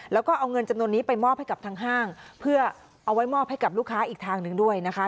แล้วก็เอาเงินจำนวนนี้ไปมอบให้กับทางห้างเพื่อเอาไว้มอบให้กับลูกค้าอีกทางหนึ่งด้วยนะคะ